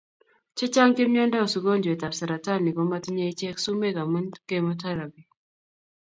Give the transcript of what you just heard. chechang' che miandos ugojwet ab saratani komatinye ichek sumek amun chemotherapy